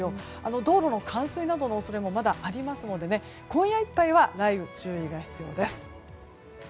道路の冠水などの恐れもまだありますので今夜いっぱいは雷雨に注意が必要です。